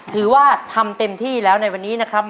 ถือว่าทำเต็มที่แล้วในวันนี้นะครับ